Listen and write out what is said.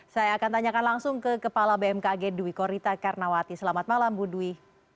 saya akan tanyakan langsung ke kepala bmkg dwi korita karnawati selamat malam bu dwi